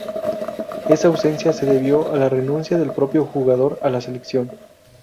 Esa ausencia se debió a la renuncia del propio jugador a la selección.